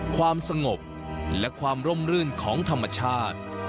ความสงบและความร่มรื่นของธรรมชาติ